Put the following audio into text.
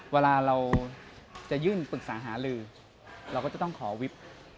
เวลาเราจะยื่นปรึกษาหาลือเราก็จะต้องขอวิบ